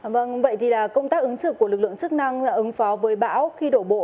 vâng vậy thì công tác ứng xử của lực lượng chức năng ứng phó với bão khi đổ bộ